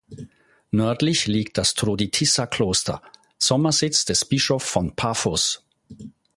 Nördlich liegt das Trooditissa-Kloster, Sommersitz des Bischof von Paphos.